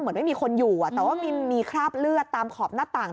เหมือนไม่มีคนอยู่แต่ว่ามีคราบเลือดตามขอบหน้าต่าง